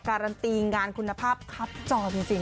การันตีงานคุณภาพครับจอจริง